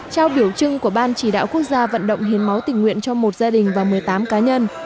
trao biểu trưng của ban chỉ đạo quốc gia vận động hiến máu tình nguyện cho một gia đình và một mươi tám cá nhân